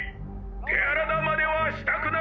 手あらなまねはしたくない」。